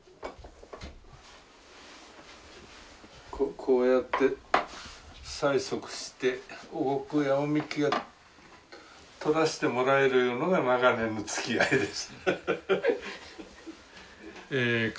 こうやって催促してお御供やお神酒をとらせてもらえるいうのが長年のつきあいです。